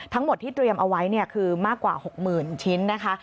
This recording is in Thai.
ทั้งหมดที่เตรียมเอาไว้คือมากกว่า๖๐๐๐ชิ้นนะคะ